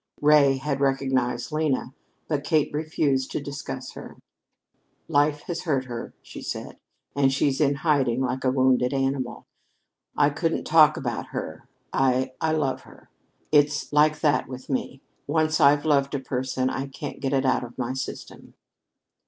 Ray had recognized Lena, but Kate refused to discuss her. "Life has hurt her," she said, "and she's in hiding like a wounded animal. I couldn't talk about her. I I love her. It's like that with me. Once I've loved a person, I can't get it out of my system."